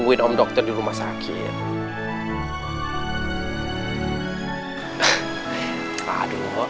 kita ke dalam aja ya bu